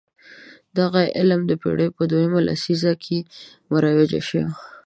دغه علم د پېړۍ په دویمه لسیزه کې مروج شوی.